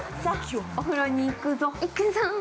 さお風呂に行くぞ。